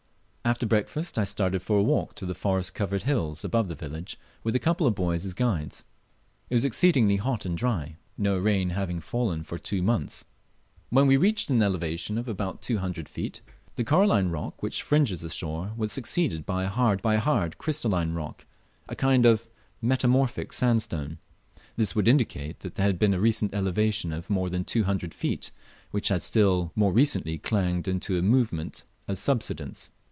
After breakfast I started for a walk to the forest covered hill above the village, with a couple of boys as guides. It was exceedingly hot and dry, no rain having fallen for two months. When we reached an elevation of about two hundred feet, the coralline rock which fringes the shore was succeeded by a hard crystalline rock, a kind of metamorphic sandstone. This would indicate flat there had been a recent elevation of more than two hundred feet, which had still more recently clanged into a movement of subsidence.